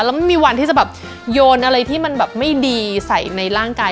แล้วมันมีวันที่จะแบบโยนอะไรที่มันแบบไม่ดีใส่ในร่างกาย